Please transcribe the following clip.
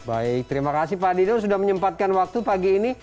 baik terima kasih pak dino sudah menyempatkan waktu pagi ini